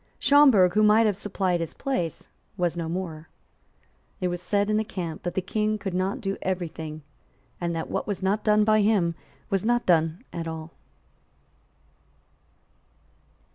Schomberg, who might have supplied his place, was no more. It was said in the camp that the King could not do every thing, and that what was not done by him was not done at all.